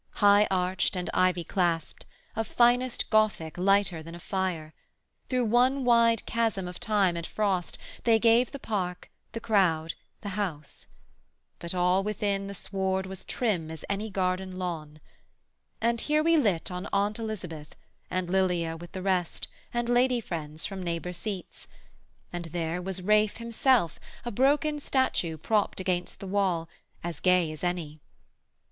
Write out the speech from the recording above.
High arched and ivy claspt, Of finest Gothic lighter than a fire, Through one wide chasm of time and frost they gave The park, the crowd, the house; but all within The sward was trim as any garden lawn: And here we lit on Aunt Elizabeth, And Lilia with the rest, and lady friends From neighbour seats: and there was Ralph himself, A broken statue propt against the wall, As gay as any.